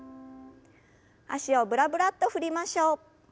脚をブラブラッと振りましょう。